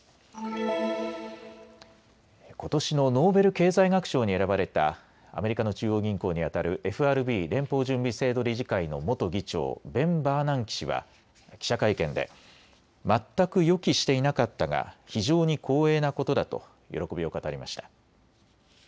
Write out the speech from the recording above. ことしのノーベル経済学賞に選ばれたアメリカの中央銀行にあたるＦＲＢ・連邦準備制度理事会の元議長ベン・バーナンキ氏は記者会見で全く予期していなかったが非常に光栄なことだと喜びを語りました。